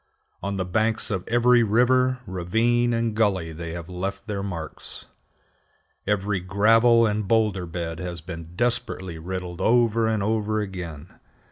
On the banks of every river, ravine, and gully they have left their marks. Every gravel and boulder bed has been desperately riddled over and over again.